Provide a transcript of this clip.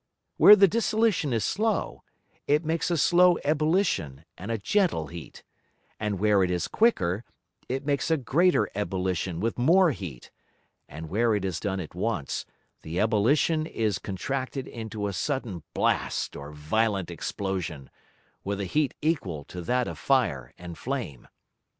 Where the Dissolution is slow, it makes a slow Ebullition and a gentle Heat; and where it is quicker, it makes a greater Ebullition with more heat; and where it is done at once, the Ebullition is contracted into a sudden Blast or violent Explosion, with a heat equal to that of Fire and Flame.